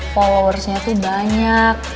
followersnya tuh banyak